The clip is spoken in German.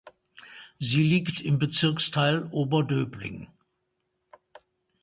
Sie liegt im Bezirksteil Oberdöbling.